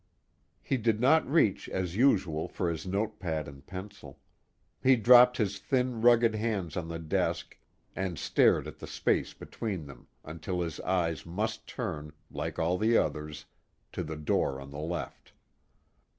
He did not reach as usual for his note pad and pencil; he dropped his thin rugged hands on the desk and stared at the space between them until his eyes must turn, like all the others, to the door on the left.